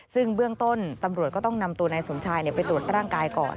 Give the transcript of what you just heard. ซึ่งเบื้องต้นตำรวจก็ต้องนำตัวนายสมชายไปตรวจร่างกายก่อน